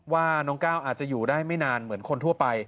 ว่าน้องก้าวอาจจะอยู่ได้ไม่นานเหมือนคนทั่วไป